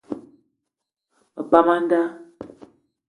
Me pam a nda.